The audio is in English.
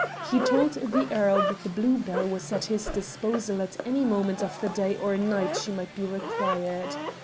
He told the earl that the Blue Bell was at his disposal at any moment of the day or night she might be required.